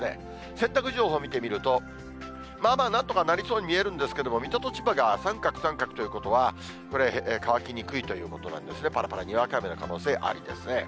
洗濯情報見てみると、まあまあ、なんとかなりそうに見えるんですけど、水戸と千葉が三角、三角ということは、これ、乾きにくいということなんですね、ぱらぱらにわか雨の可能性ありですね。